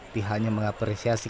pihaknya mengapresiasi kegebalan